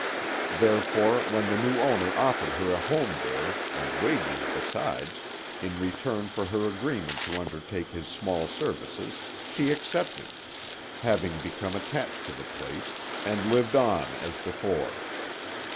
Therefore when the new owner offered her a home there, and wages besides, in return for her agreement to undertake his small services, she accepted having become attached to the place and lived on as before.